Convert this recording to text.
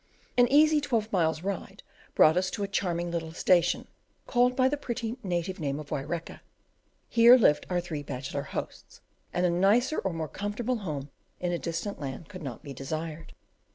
An easy twelve miles' ride brought us to a charming little station, called by the pretty native name of Waireka; here lived our three bachelor hosts, and a nicer or more comfortable home in a distant land could not be desired.